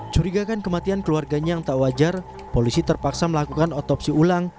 curigakan kematian keluarganya yang tak wajar polisi terpaksa melakukan otopsi ulang